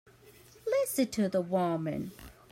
Listen to the woman!